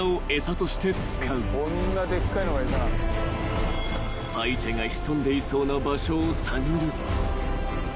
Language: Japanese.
［パイチェが潜んでいそうな場所を探る］